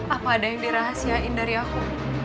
apa ada yang dirahasiain dari aku